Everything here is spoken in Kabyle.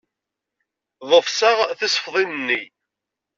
Ḍefseɣ tisefḍin-nni.